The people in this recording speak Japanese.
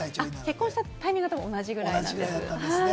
結婚したタイミングが同じぐらいだったんですね。